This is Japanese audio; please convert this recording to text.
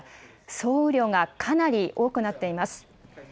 総雨量がかなり多くなっています。